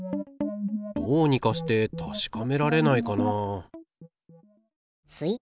どうにかしてたしかめられないかな